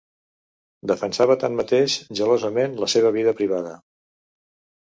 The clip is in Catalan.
Defensava, tanmateix, gelosament la seva vida privada.